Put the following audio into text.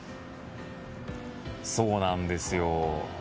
そうなんですよ。